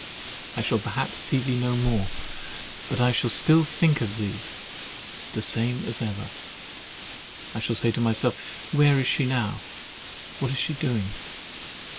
I shall perhaps see thee no more, but I shall still think of thee the same as ever—I shall say to myself, "Where is she now?—what is she doing?"